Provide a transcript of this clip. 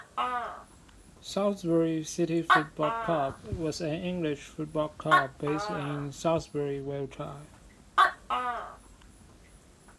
Salisbury City Football Club was an English football club based in Salisbury, Wiltshire.